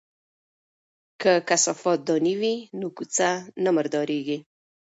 که کثافات دانی وي نو کوڅه نه مرداریږي.